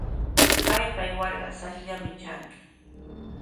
Kaypa aywarqa rasllami tranki.